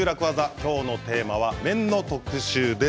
今日のテーマは麺の特集です。